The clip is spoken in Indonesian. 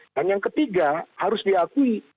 dan yang ketiga harus diakui